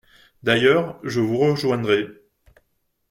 D'ailleurs, je vous rejoindrai.